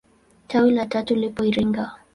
Tawi la tatu lipo Iringa.